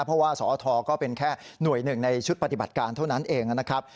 เพราะว่าสอทก็เป็นแค่หน่วยหนึ่งในชุดปฏิบัติการเท่านั้นเองนะครับ